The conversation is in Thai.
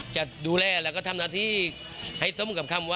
จะดูแลแล้วก็ทำหน้าที่ให้สมกับคำว่า